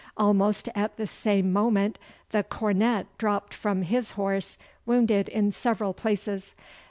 Almost at the same moment the cornet dropped from his horse, wounded in several places.